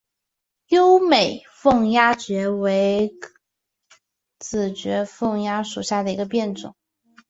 优美凤丫蕨为裸子蕨科凤丫蕨属下的一个变种。